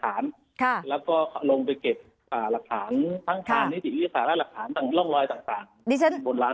ข้างแล้วโปะลงไปเก็บหลักษานทางต่างด้านแล้วสามารถขายล่องลอยต่าง